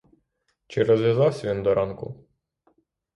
Чи розв'язався він до ранку?